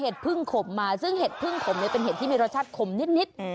พึ่งขมมาซึ่งเห็ดพึ่งขมเนี่ยเป็นเห็ดที่มีรสชาติขมนิด